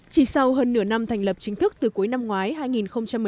chỉ sau hơn nửa năm thành lập chính thức từ cuối năm ngoái hai nghìn một mươi tám